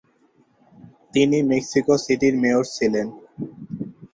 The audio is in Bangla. তিনি মেক্সিকো সিটির মেয়র ছিলেন।